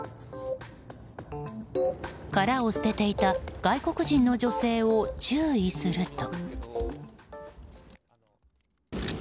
殻を捨てていた外国人の女性を注意すると。